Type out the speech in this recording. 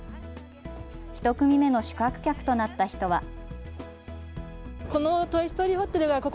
１組目の宿泊客となった人は。